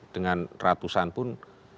dengan ratusan pun